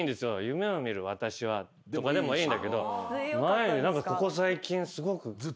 「夢を見る私は」とかでもいいんだけど前に「ここ最近凄く」